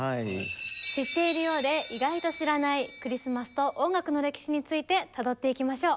知っているようで意外と知らないクリスマスと音楽の歴史についてたどっていきましょう。